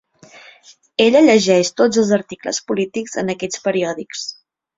Ella llegeix tots els articles polítics en aquests periòdics.